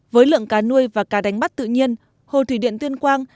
với lượng cá nuôi và cá đánh bắt tự nhiên hồ thủy điện tuyên quang